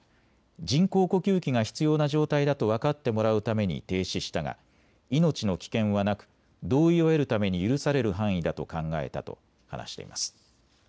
人工呼吸器が必要な状態だと分かってもらうために停止したが命の危険はなく同意を得るために許される範囲だと考えたと話しています。